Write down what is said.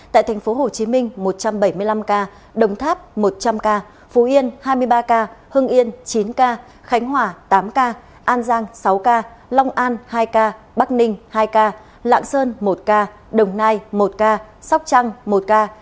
tại tp hcm một trăm bảy mươi năm ca đồng tháp một trăm linh ca phú yên hai mươi ba ca hưng yên chín ca khánh hòa tám ca an giang sáu ca long an hai ca bắc ninh hai ca lạng sơn một ca đồng nai một ca sóc trăng một ca